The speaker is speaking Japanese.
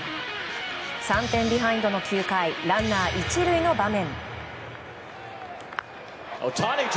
３点ビハインドの９回ランナー１塁の場面。